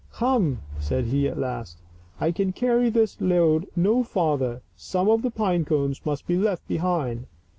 " Come," said he, at last, " I can carry this load no farther, some of the pine cones must be left behind."